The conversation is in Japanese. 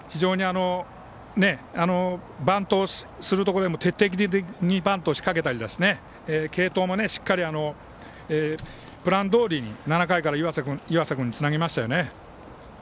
バントをするところで徹底的にバントを仕掛けたり継投もしっかりプランどおり７回から岩佐君につなげました。